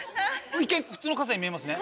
一見普通の傘に見えますね。